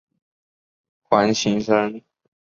戴维环形山的东南是醒目的阿方索环形山。